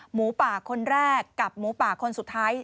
หมูป่าคนแรกกับหมูป่าคนสุดท้าย